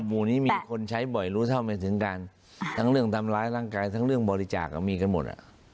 หมู่นี้มีคนใช้บ่อยรู้เท่าไม่ถึงการทั้งเรื่องทำร้ายร่างกายทั้งเรื่องบริจาคมีกันหมดอ่ะ